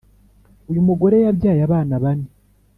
uyumugore yabyaye abana bane